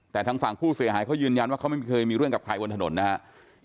แต่ทางฝั่งผู้เสียหายเขายืนยันว่าเขาไม่เคยมีเรื่องกับใครบนถนนนะครับ